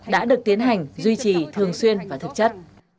đã được tiến hành duy trì thường xuyên và thực chất